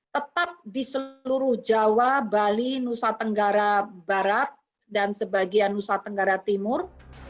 tetap di seluruh jawa bali nusa tenggara barat dan sebagian nusa tenggara timur